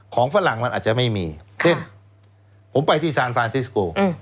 ของฝรั่งมันอาจจะไม่มีค่ะผมไปที่อืม